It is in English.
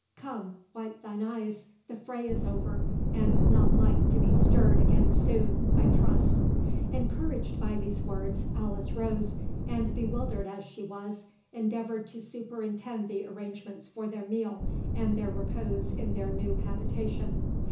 Come—wipe thine eyes—the fray is over, and not like to be stirred again soon, I trust." Encouraged by these words, Alice rose, and, bewildered as she was, endeavoured to superintend the arrangements for their meal and their repose in their new habitation.